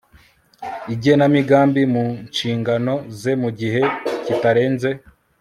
igenamigambi mu nshingano ze mu gihe kitarenze